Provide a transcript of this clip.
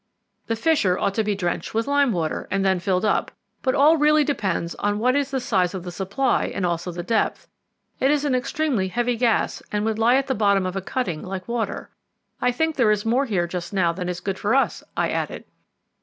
"The fissure ought to be drenched with lime water, and then filled up; but all really depends on what is the size of the supply and also the depth. It is an extremely heavy gas, and would lie at the bottom of a cutting like water. I think there is more here just now than is good for us," I added.